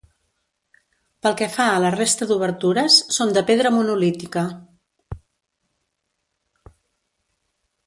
Pel que fa a la resta d’obertures, són de pedra monolítica.